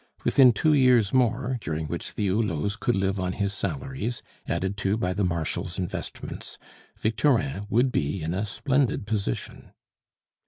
Within two years more, during which the Hulots could live on his salaries, added to by the Marshal's investments, Victorin would be in a splendid position.